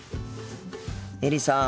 エリさん。